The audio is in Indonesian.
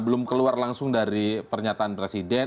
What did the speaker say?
belum keluar langsung dari pernyataan presiden